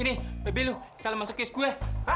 ini bebe lo salah masuk keis gua